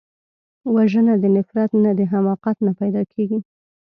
وژنه د نفرت نه، د حماقت نه پیدا کېږي